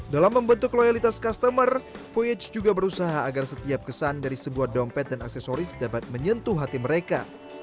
dalam membentuk loyalitas customer voyage juga berusaha agar setiap kesan dari sebuah dompet dan aksesoris dapat menyentuh hati mereka